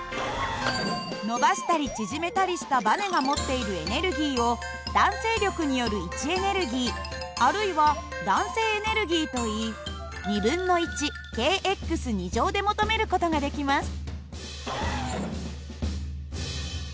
伸ばしたり縮めたりしたバネが持っているエネルギーを弾性力による位置エネルギーあるいは弾性エネルギーといいｋで求める事ができます。